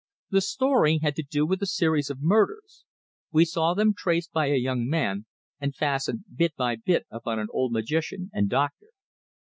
The story had to do with a series of murders; we saw them traced by a young man, and fastened bit by bit upon an old magician and doctor.